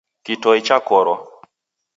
Kitoi chakorwa